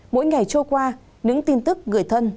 mỗi ngày trôi qua những tin tức gửi thân